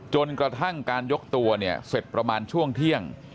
จนกระทั่งการยกตัวเนี่ยเสร็จประมาณช่วงเที่ยง